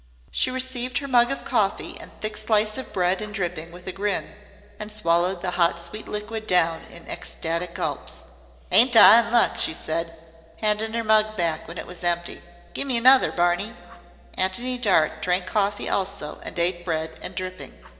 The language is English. She received her mug of coffee and thick slice of bread and dripping with a grin, and swallowed the hot sweet liquid down in ecstatic gulps. "Ain't I in luck?" she said, handing her mug back when it was empty. "Gi' me another, Barney." Antony Dart drank coffee also and ate bread and dripping.